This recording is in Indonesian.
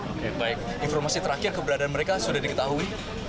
oke baik informasi terakhir keberadaan mereka sudah diketahui